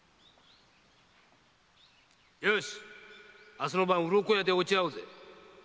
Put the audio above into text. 明日の晩うろこやで落ち合おうぜ〕